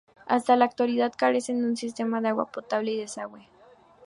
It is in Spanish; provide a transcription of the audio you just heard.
Hasta la actualidad, carecen de un sistema de agua potable y desagüe.